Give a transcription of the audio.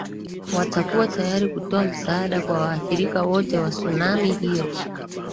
watakuwa tayari kutoa msaada kwa waathirika wote wa sunami hiyo